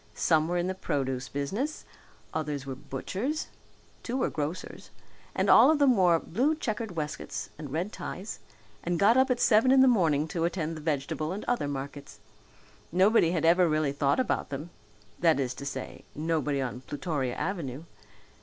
Some were in the produce business, others were butchers, two were grocers, and all of them wore blue checkered waistcoats and red ties and got up at seven in the morning to attend the vegetable and other markets. Nobody had ever really thought about them that is to say, nobody on Plutoria Avenue.